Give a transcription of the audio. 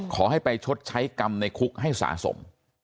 ขอให้ไปชดใช้กรรมในคุกให้สะสม